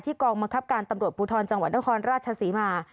กองบังคับการตำรวจภูทรจังหวัดนครราชศรีมา